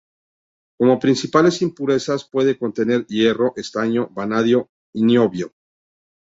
Como principales impurezas puede contener hierro, estaño, vanadio y niobio.